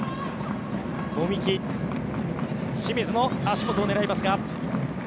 清水の足元を狙いますが。